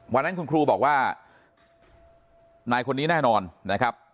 วันนั้นคุณครูบอกว่านายคนนี้แน่นอนนะครับ